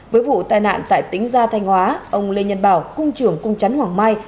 với vụ tai nạn tại tỉnh gia thanh hóa ông lê nhân bảo cung trưởng cung chắn hoàng mai